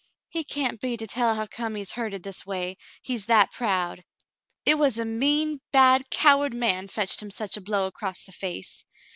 " He can't beah to tell hu come he is hurted this w^ay, he is that proud. It was a mean, bad, coward man fetched him such a blow across the face.